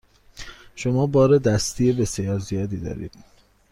شما بار دستی بسیار زیادی دارید.